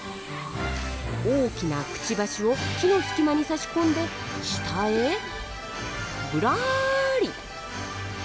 大きなクチバシを木の透き間に差し込んで下へぶらり。